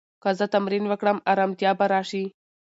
که زه تمرین وکړم، ارامتیا به راشي.